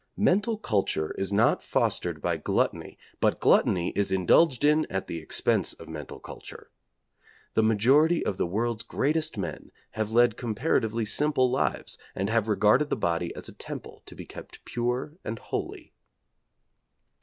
Mental culture is not fostered by gluttony, but gluttony is indulged in at the expense of mental culture. The majority of the world's greatest men have led comparatively simple lives, and have regarded the body as a temple to be kept pure and holy.